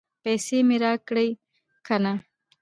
پیسې مې راکړې که نه؟